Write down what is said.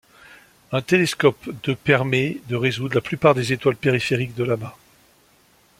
Un télescope de permet de résoudre la plupart des étoiles périphériques de l'amas.